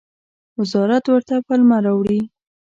وزارت ورته پلمه راوړي.